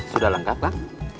sudah lengkap lah